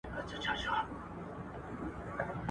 په ځالۍ کي کړېدله تپیدله